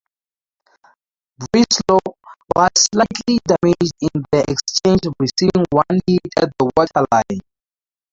"Breslau" was slightly damaged in the exchange receiving one hit at the waterline.